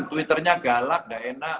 twitternya galak dan enak